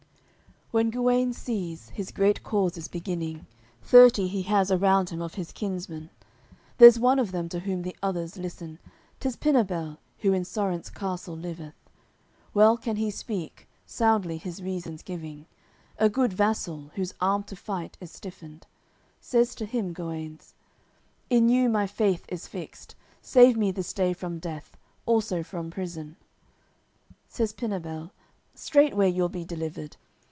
CCLXXIV When Guenes sees, his great cause is beginning, Thirty he has around him of his kinsmen, There's one of them to whom the others listen, 'Tis Pinabel, who in Sorence castle liveth; Well can he speak, soundly his reasons giving, A good vassal, whose arm to fight is stiffened. Says to him Guenes: "In you my faith is fixed. Save me this day from death, also from prison." Says Pinabel: "Straightway you'll be delivered.